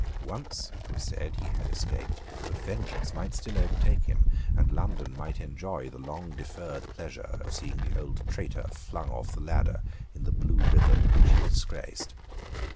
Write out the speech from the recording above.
Once, it was said, he had escaped; but vengeance might still overtake him, and London might enjoy the long deferred pleasure of seeing the old traitor flung off the ladder in the blue riband which he disgraced.